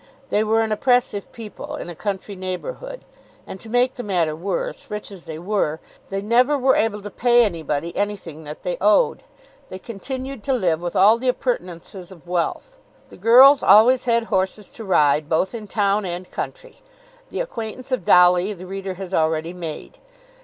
They were an oppressive people in a country neighbourhood. And to make the matter worse, rich as they were, they never were able to pay anybody anything that they owed. They continued to live with all the appurtenances of wealth. The girls always had horses to ride, both in town and country. The acquaintance of Dolly the reader has already made.